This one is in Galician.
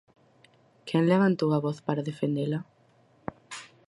¿Quen levantou a voz para defendela?